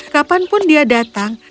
kapanpun dia datang